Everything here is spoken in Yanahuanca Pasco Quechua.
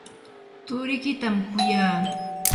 turikitam kuyaa.